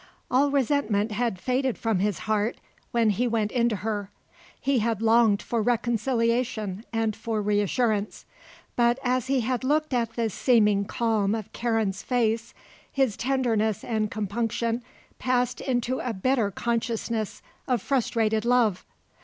All resentment had faded from his heart when he went in to her. He had longed for reconciliation and for reassurance. But as he had looked at the seeming calm of Karen's face his tenderness and compunction passed into a bitter consciousness of frustrated love.